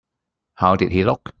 How did he look?